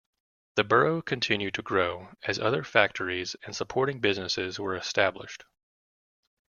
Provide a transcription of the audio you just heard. The borough continued to grow as other factories and supporting businesses were established.